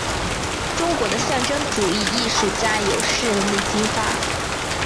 中国的象征主义艺术家有诗人李金发。